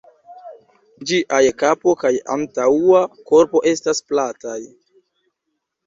Ĝiaj kapo kaj antaŭa korpo estas plataj.